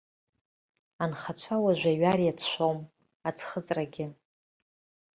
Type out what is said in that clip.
Анхацәа уажәы аҩар иацәшәом, аӡхыҵрагьы.